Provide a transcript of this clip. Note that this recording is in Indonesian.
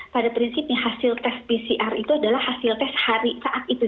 pada prinsipnya hasil tes pcr itu adalah hasil tes hari saat itu